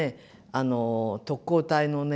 あの特攻隊のね